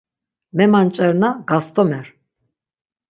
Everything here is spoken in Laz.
Memanç̌erna gastomer!